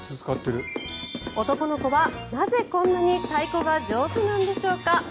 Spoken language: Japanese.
男の子はなぜこんなに太鼓が上手なんでしょうか。